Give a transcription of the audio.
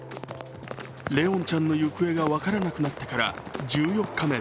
怜音ちゃんの行方が分からなくなってから１４日目。